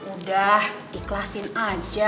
udah ikhlasin aja